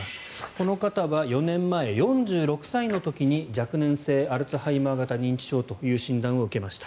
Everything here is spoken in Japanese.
この方は４年前、４６歳の時に若年性アルツハイマー型認知症という診断を受けました。